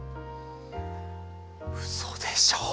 うそでしょ。